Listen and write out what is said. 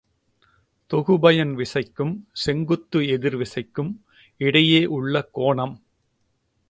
தொகுபயன் விசைக்கும் செங்குத்து எதிர் விசைக்கும் இடையே உள்ள கோணம்.